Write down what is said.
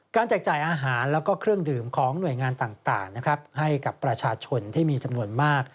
แจกจ่ายอาหารแล้วก็เครื่องดื่มของหน่วยงานต่างนะครับให้กับประชาชนที่มีจำนวนมาก